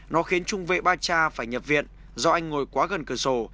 nó khiến trung vệ barca phải nhập viện do anh ngồi quá gần cửa sổ